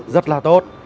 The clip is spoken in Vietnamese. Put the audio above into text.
rất là tốt